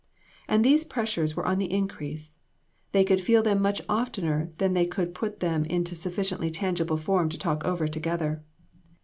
And these pressures were on the increase; they could feel them much oftener than they could put them into sufficiently tangible form to talk over together.